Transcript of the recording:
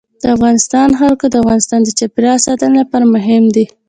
د افغانستان جلکو د افغانستان د چاپیریال ساتنې لپاره مهم دي.